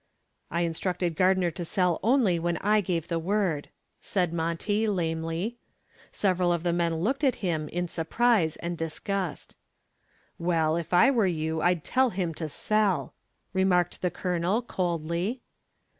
"I instructed Gardner to sell only when I gave the word," said Monty, lamely. Several of the men looked at him in surprise and disgust. "Well, if I were you I'd tell him to sell," remarked the Colonel, coldly.